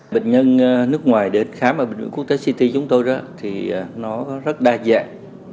bệnh nhân nước ngoài đến khám ở bệnh viện quốc tế city chúng tôi thì nó rất đa dạng